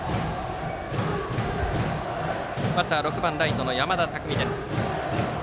バッターは６番ライトの山田匠です。